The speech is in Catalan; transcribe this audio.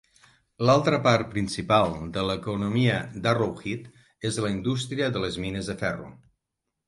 L'altra part principal de l'economia d'Arrowhead és la indústria de les mines de ferro.